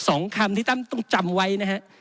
สองคำที่ต้องจำไว้นะครับ